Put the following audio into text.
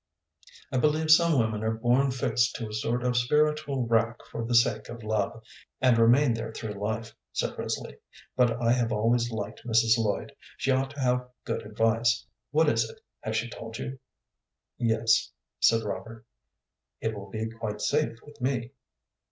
"I believe some women are born fixed to a sort of spiritual rack for the sake of love, and remain there through life," said Risley. "But I have always liked Mrs. Lloyd. She ought to have good advice. What is it, has she told you?" "Yes," said Robert. "It will be quite safe with me."